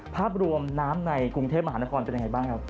ภาพรวมน้ำในกรุงเทพมหานครเป็นยังไงบ้างครับ